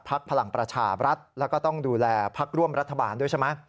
พลังประชาบรัฐแล้วก็ต้องดูแลพักร่วมรัฐบาลด้วยใช่ไหม